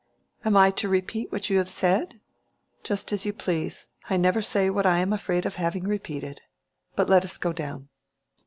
"Am I to repeat what you have said?" "Just as you please. I never say what I am afraid of having repeated. But let us go down."